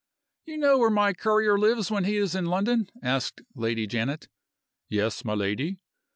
"You know where my courier lives when he is in London?' asked Lady Janet. "Yes, my lady."